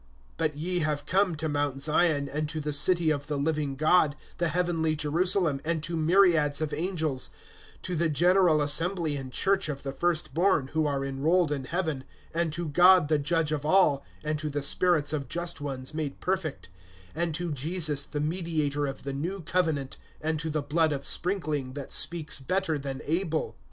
(22)But ye have come to mount Zion, and to the city of the living God, the heavenly Jerusalem, and to myriads of angels, (23)to the general assembly and church of the first born, who are enrolled in heaven, and to God the Judge of all, and to the spirits of just ones made perfect; (24)and to Jesus the mediator of the new covenant, and to the blood of sprinkling, that speaks better than Abel.